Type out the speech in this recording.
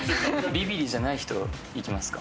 ビビりじゃない人いきますか？